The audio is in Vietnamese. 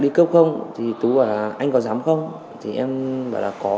đi cướp không thì tú bảo là anh có dám không thì em bảo là có